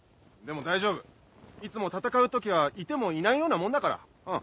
でも大丈夫いつも戦う時はいてもいないようなもんだから。